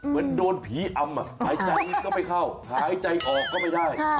เหมือนโดนผีอำหายใจก็ไม่เข้าหายใจออกก็ไม่ได้